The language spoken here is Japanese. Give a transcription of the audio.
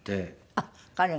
あっ彼が。